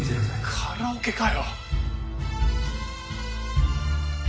カラオケかよ！